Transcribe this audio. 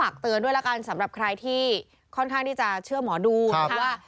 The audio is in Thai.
ขวดอีกหรือเปล่า